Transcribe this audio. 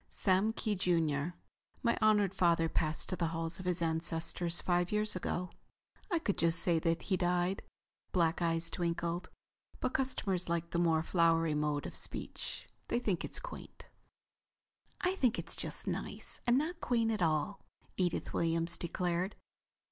"Sam Kee, junior. My honored father passed to the halls of his ancestors five years ago. I could just say that he died—" black eyes twinkled—"but customers like the more flowery mode of speech. They think it's quaint." "I think it's just nice, and not quaint at all," Edith Williams declared.